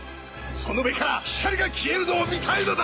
その目から光が消えるのを見たいのだ！